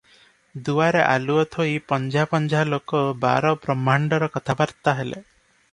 ଦୁଆରେ ଆଲୁଅ ଥୋଇ ପଞ୍ଝା ପଞ୍ଝା ଲୋକ ବାର ବ୍ରହ୍ମାଣ୍ଡର କଥାବାର୍ତ୍ତା ହେଲେ ।